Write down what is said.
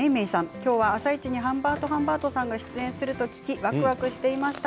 きょうは「あさイチ」にハンバートハンバートさんが出演すると聞きわくわくしていました。